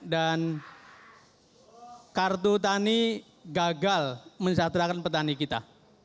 dan kartu tani gagal mensatirakan petani kita